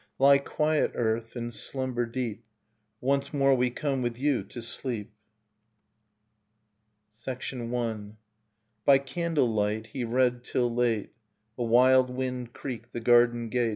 — Lie quiet, earth, and slumber deep. Once more we come with you to sleep. Nocturne of Remembered Spring I. By candle light he read till late. A wild wind creaked the garden gate.